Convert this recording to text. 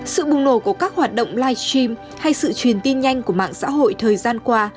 sự bùng nổ của các hoạt động live stream hay sự truyền tin nhanh của mạng xã hội thời gian qua